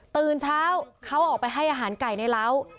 ตื่นเช้าเขาออกไปให้อาหารไก่ในร้าว